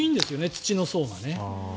土の層が。